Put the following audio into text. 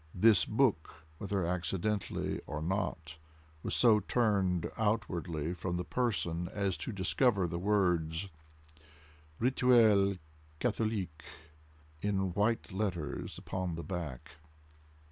This book, whether accidentally or not, was so turned outwardly from the person as to discover the words "Rituel Catholique" in white letters upon the back.